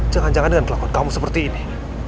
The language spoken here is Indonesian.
jangan jangan dengan pelaku kamu seperti ini